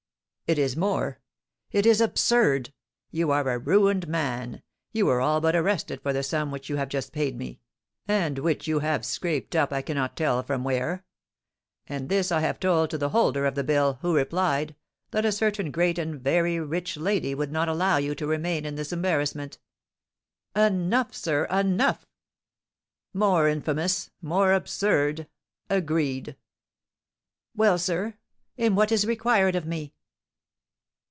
"It is more, it is absurd. You are a ruined man; you were all but arrested for the sum which you have just paid me, and which you have scraped up I cannot tell from where; and this I have told to the holder of the bill, who replied, that a certain great and very rich lady would not allow you to remain in this embarrassment." "Enough, sir! enough!" "More infamous! more absurd! agreed." "Well, sir, and what is required of me?"